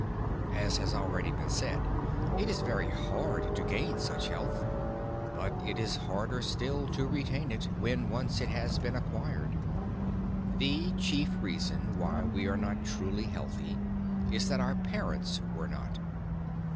As has already been said, it is very hard to gain such health, but it is harder still to retain it, when once it has been acquired. The chief reason why we are not truly healthy is that our parents were not.